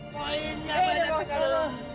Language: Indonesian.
poinnya banyak sekali